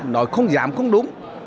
nói không giảm không đúng